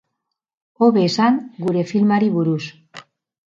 Hobe esan, gure filmari buruz!